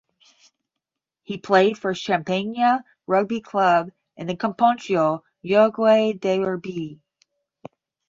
He played for Champagnat Rugby Club in the Campeonato Uruguayo de Rugby.